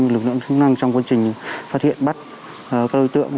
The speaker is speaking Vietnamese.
lực lượng chức năng trong quá trình phát hiện bắt các đối tượng